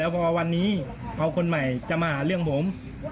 พอวันนี้เอาคนใหม่จะมาหาเรื่องผม